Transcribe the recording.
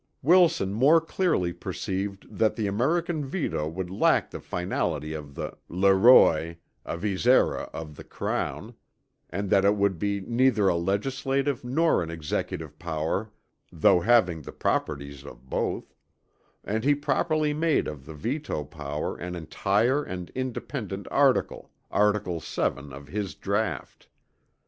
Wilson more clearly perceived that the American veto would lack the finality of the Le roy, avisera of the Crown, and that it would be neither a legislative nor an executive power though having the properties of both; and he properly made of the veto power an entire and independent article, article 7 of his draught.